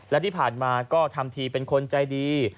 และที่ผ่านมาก็ทำทีเป็นคนใจดี